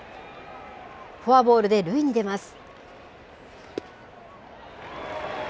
フォアボールで塁に出ます。